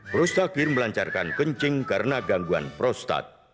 prostakir melancarkan kencing karena gangguan prostat